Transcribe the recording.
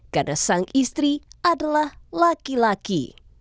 karena sang istri adalah laki laki